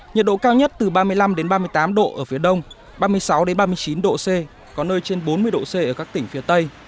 nhiệt độ cao nhất từ ba mươi năm ba mươi tám độ ở phía đông ba mươi sáu ba mươi chín độ c có nơi trên bốn mươi độ c ở các tỉnh phía tây